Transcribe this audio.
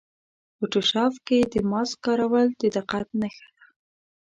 فوټوشاپ کې د ماسک کارول د دقت نښه ده.